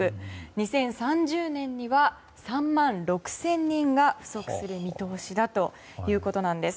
２０３０年には３万６０００人が不足する見通しだということなんです。